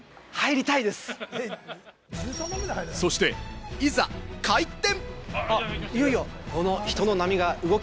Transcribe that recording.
そして、いざ開店。